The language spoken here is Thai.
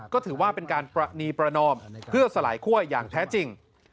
ก็ถือว่าเป็นการประนีประนอมเพื่อสลายคั่วอย่างแท้จริง